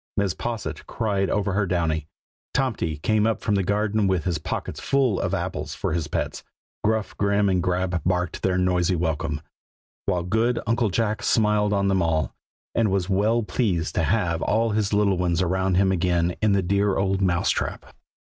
Mrs. Posset cried over her Downy; Tomty came up from the garden with his pockets full of apples for his pets; Gruff and Grim and Grab barked their noisy welcome; while good Uncle Jack smiled on them all, and was well pleased to have all his little ones around him again in the dear old Mouse trap.